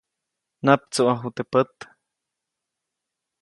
Naptsuʼaju teʼ pät.